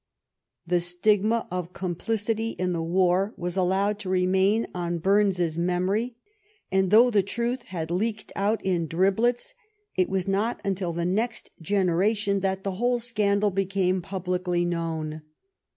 The stigma of complicity in the war was allowed to remain on Burnes's memory, and, though THE QUADBILATEjRAL ALLIANCE. 69 the truth had leaked out in driblets, it was nofc until the next generation that the whole scandal became publicly known.